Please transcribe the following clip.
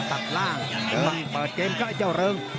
ตัดล่างเปิดเกมกับไอ้เจ้าเริง